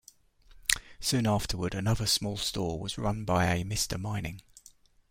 Soon afterward another small store was run by a Mr. Mining.